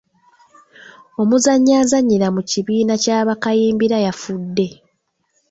Omuzannyi azannyira mu kibiina kya Bakayimbira yafudde.